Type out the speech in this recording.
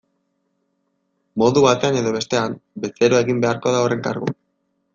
Modu batean edo bestean, bezeroa egin beharko da horren kargu.